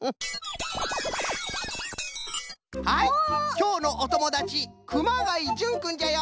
きょうのおともだちくまがいじゅんくんじゃよ！